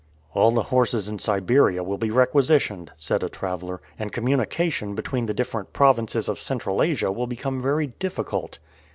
"All the horses in Siberia will be requisitioned," said a traveler, "and communication between the different provinces of Central Asia will become very difficult."